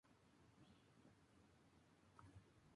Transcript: tú no comieras